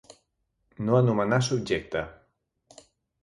No anomenar subjecte.